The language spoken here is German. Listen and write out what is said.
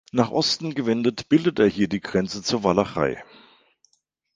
Nach Osten gewendet, bildet er hier die Grenze zur Walachei.